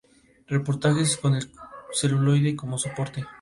Lilo, viendo el equipo creado para el concierto, diseña un plan.